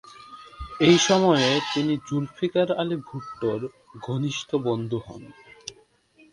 এই সময়ে তিনি জুলফিকার আলী ভুট্টোর ঘনিষ্ঠ বন্ধু হন।